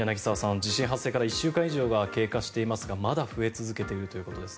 地震発生から１週間以上が経過していますがまだ増え続けているということです。